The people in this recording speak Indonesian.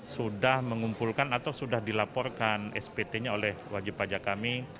sudah mengumpulkan atau sudah dilaporkan spt nya oleh wajib pajak kami